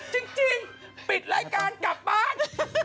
จริงปิดรายการกลับบ้าน